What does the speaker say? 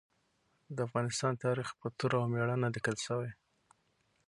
د افغانستان تاریخ په توره او مېړانه لیکل شوی.